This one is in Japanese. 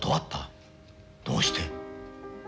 どうして？